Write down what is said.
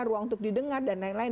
ruang untuk didengar dan lain lain